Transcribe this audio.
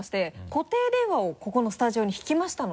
固定電話をここのスタジオに引きましたので。